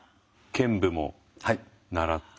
剣舞も習ったり。